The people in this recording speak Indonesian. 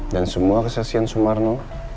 dan semua kesesian sumarno